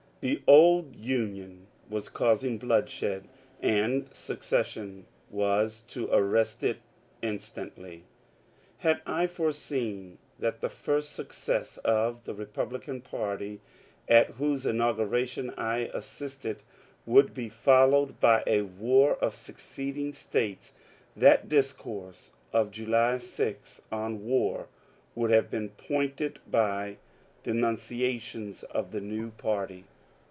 The old Union was causing bloodshed and secession was to arrest it instantly. Had I foreseen that the first success of the Re publican party, at whose inauguration I assisted, would be followed by a war on seceding States, that discourse of July 6 on ^^ War " would have been pointed by denunciations of the new party.